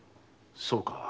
そうか。